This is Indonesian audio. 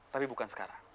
tapi bukan sekarang